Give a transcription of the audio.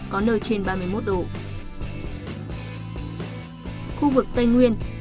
khu vực tây nguyên